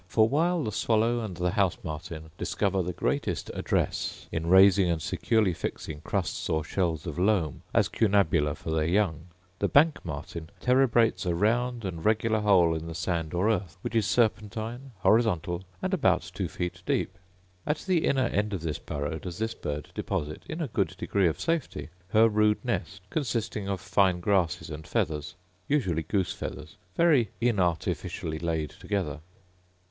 for while the swallow and the house martin discover the greatest address in raising and securely fixing crusts or shells of loam as cunabula for their young, the bank martin terebrates a round and regular hole in the sand or earth, which is serpentine, horizontal, and about two feet deep. At the inner end of this burrow does this bird deposit, in a good degree of safety, her rude nest, consisting of fine grasses and feathers, usually goose feathers, very inartificially laid together.